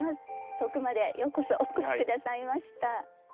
遠くまでようこそお越し下さいました。